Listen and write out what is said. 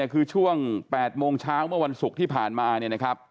คือช่วง๘โมงเช้าเมื่อวันศุกร์ที่ผ่านมา